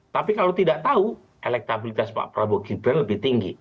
tapi kalau tidak tahu elektabilitas pak prabowo gibran lebih tinggi